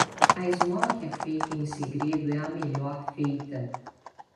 A esmola que é feita em segredo é a melhor feita.